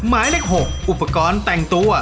หมายเลข๖อุปกรณ์แต่งตัว